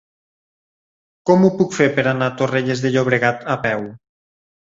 Com ho puc fer per anar a Torrelles de Llobregat a peu?